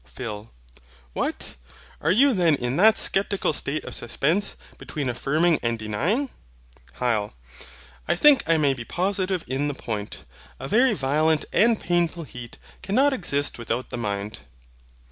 PHIL. What! are you then in that sceptical state of suspense, between affirming and denying? HYL. I think I may be positive in the point. A very violent and painful heat cannot exist without the mind.